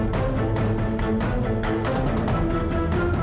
kasih tepuk tangannya dong